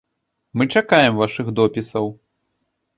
Мы чакаем вашых допісаў!